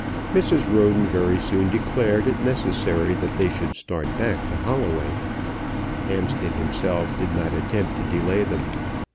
Mrs. Roden very soon declared it necessary that they should start back to Holloway. Hampstead himself did not attempt to delay them.